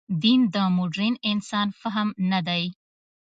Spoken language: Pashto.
دین د مډرن انسان فهم نه دی.